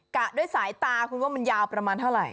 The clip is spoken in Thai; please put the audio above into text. กะด้วยสายตาคุณว่ามันยาวประมาณเท่าไหร่